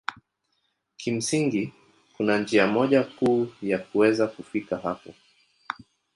Kimsingi kuna njia moja kuu ya kuweza kufika hapo